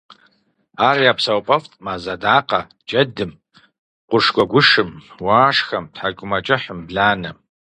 Ар я псэупӀэфӀт мэз адакъэ – джэдым, къурш гуэгушым, уашхэм, тхьэкӀумэкӀыхьым, бланэм.